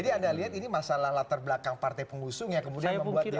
jadi anda lihat ini masalah latar belakang partai pengusung yang kemudian membuat dunia agak resisten